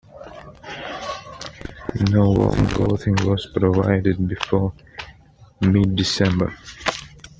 No warm clothing was provided before mid-December.